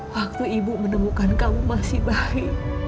waktu ibu menemukan kamu masih bayi